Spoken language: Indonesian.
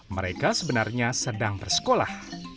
mereka sebenarnya sedang bersekolah